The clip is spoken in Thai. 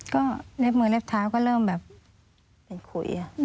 ก็เล็บมือเล็บเท้าก็เริ่มแบบไปคุย